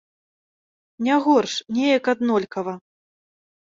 Не горш, неяк аднолькава.